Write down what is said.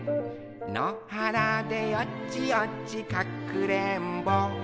のはらでよちよちかくれんぼ」